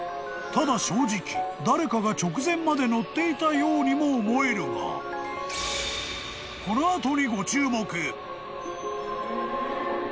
［ただ正直誰かが直前まで乗っていたようにも思えるが］うわ！